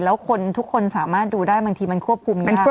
แล้วคนทุกคนสามารถดูได้บางทีมันควบคุมยาก